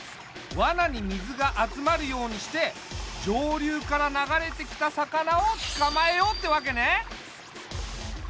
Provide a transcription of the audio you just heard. わなに水が集まるようにして上流から流れてきた魚をつかまえようってわけね。